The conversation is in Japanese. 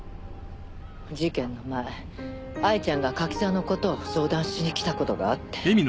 事件の前藍ちゃんが柿沢のことを相談しに来たことがあって。